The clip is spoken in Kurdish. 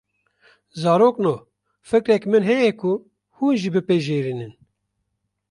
Zarokno, fikrekî min heye ku hûn jî pipejrînin